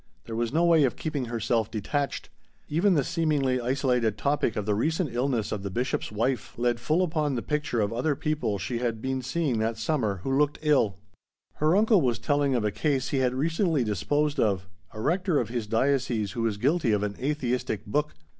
There was no way of keeping herself detached. Even the seemingly isolated topic of the recent illness of the Bishop's wife led full upon the picture of other people she had been seeing that summer who looked ill. Her uncle was telling of a case he had recently disposed of, a rector of his diocese who was guilty of an atheistic book.